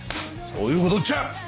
そういうことっちゃ！